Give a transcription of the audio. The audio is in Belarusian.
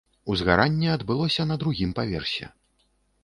Узгаранне адбылося на другім паверсе.